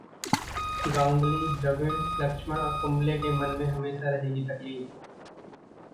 गांगुली, द्रविड़, लक्ष्मण और कुंबले के मन में हमेशा रहेगी तकलीफ